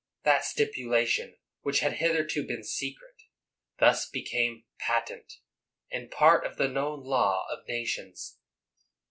That stipulation, which had hitherto been secret, thus became patent, and part of the known law of nations.